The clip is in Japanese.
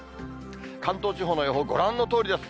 関東地方の予報、ご覧のとおりです。